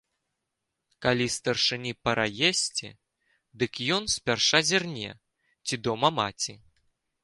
Калі старшыні пара есці, дык ён спярша зірне, ці дома маці.